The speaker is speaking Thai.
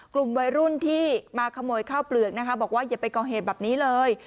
กลุ่มวัยรุ่นที่มาขโมยข้าวเปลือกนะคะบอกว่าอย่าไปก่อเหตุแบบนี้เลย